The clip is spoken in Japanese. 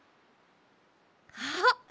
あっ！